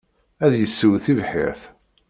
Ad yessew tibḥirt.